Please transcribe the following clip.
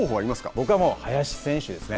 僕は林選手ですね。